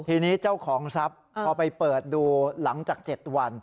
ทีนี้เจ้าของทรัพย์พอไปเปิดดูหลังจาก๗วัน